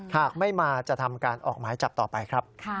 หากไม่มาจะทำการออกหมายจับต่อไปครับ